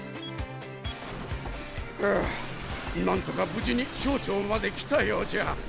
ふうなんとか無事に小腸まで来たようじゃ。